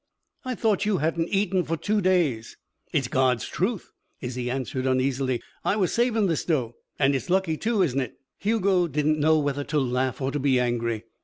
"I thought you hadn't eaten for two days!" "It's God's truth," Izzie answered uneasily. "I was savin' this dough an' it's lucky, too, isn't it?" Hugo did not know whether to laugh or to be angry.